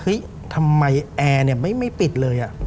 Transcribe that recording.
เฮ้ยทำไมแอร์เนี่ยไม่ปิดเลยอะ